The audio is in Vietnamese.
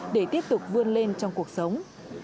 để tiếp tục vươn lên trong cuộc sống